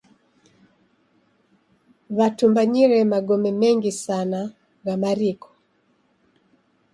W'atumbanyire magome mengi sana gha mariko.